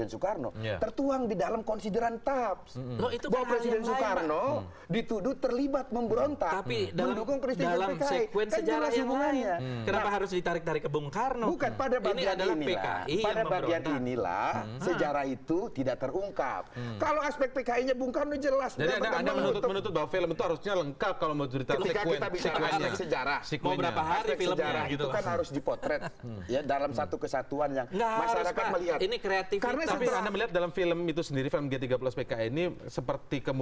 yang mengeluarkan keputusan tentang mahmilub itu